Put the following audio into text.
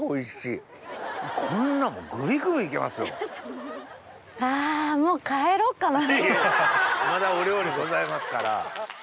いやいやまだお料理ございますから。